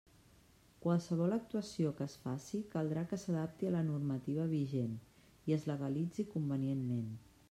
Qualsevol actuació que es faci caldrà que s'adapti a la normativa vigent i es legalitzi convenientment.